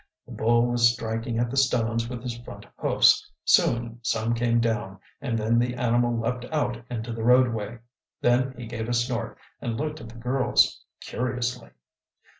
The bull was striking at the stones with his front hoofs. Soon some came down, and then the animal leaped out into the roadway. Then he gave a snort and looked at the girls curiously.